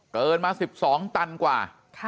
เกินมา๑๒ตันกว่า